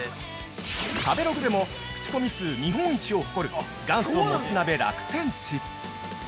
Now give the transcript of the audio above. ◆食べログでも口コミ数日本一を誇る「元祖もつ鍋楽天地」。